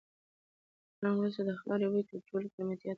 د باران وروسته د خاورې بوی تر ټولو قیمتي عطر دی.